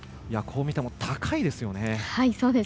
こう見ても高いですよね。